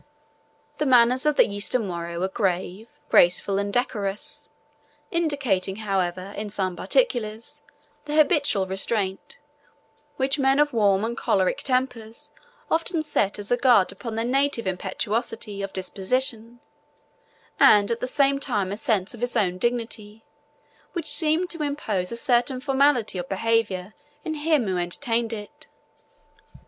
The manners of the Eastern warrior were grave, graceful, and decorous; indicating, however, in some particulars, the habitual restraint which men of warm and choleric tempers often set as a guard upon their native impetuosity of disposition, and at the same time a sense of his own dignity, which seemed to impose a certain formality of behaviour in him who entertained it.